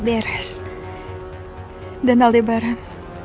beres dan aldebaran